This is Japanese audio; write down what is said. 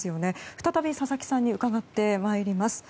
再び、佐々木さんに伺ってまいります。